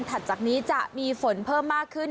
ต่างจากนี้จะมีฝนเพิ่มขึ้น